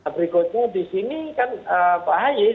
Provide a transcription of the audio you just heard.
berikutnya di sini kan pak ahy